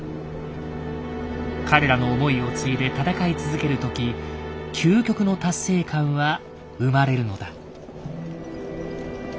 彼らの思いを継いで戦い続ける時「究極の達成感」は生まれるのだ。